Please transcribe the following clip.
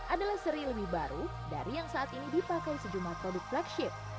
adalah seri lebih baru dari yang saat ini dipakai sejumlah produk blackship